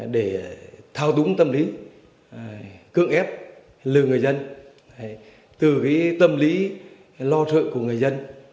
để thao túng tâm lý cưỡng ép lừa người dân từ cái tâm lý lo trợ của người dân